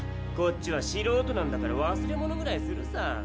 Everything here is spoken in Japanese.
こっちはしろうとなんだから忘れ物ぐらいするさ。